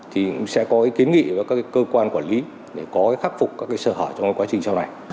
thì cũng sẽ có kiến nghị với các cơ quan quản lý để có khắc phục các sở hở trong quá trình sau này